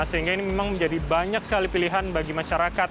sehingga ini memang menjadi banyak sekali pilihan bagi masyarakat